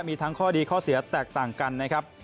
มีทั้งข้อดีข้อเสียแตกต่างกันนะครับ